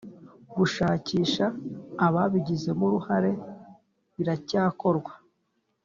gushakisha ababigizemo uruhare biracyakorwa